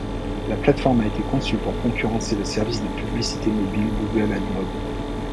La plate-forme a été conçue pour concurrencer le service de publicité mobile Google AdMob.